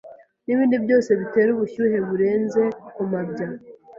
n’ibindi byose bitera ubushyuhe burenze ku mabya,